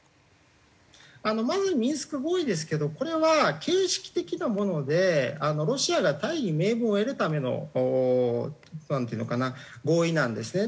まずミンスク合意ですけどこれは形式的なものでロシアが大義名分を得るためのなんていうのかな合意なんですね。